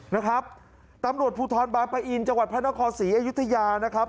นะครับตำรวจภูทรบางปะอินจังหวัดพระนครศรีอยุธยานะครับ